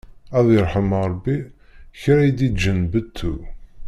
Ad iṛḥem Ṛebbi kra i d-iǧǧan beṭṭu!